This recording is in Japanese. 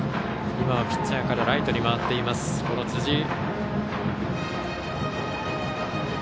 今はピッチャーからライトに回っています、辻井。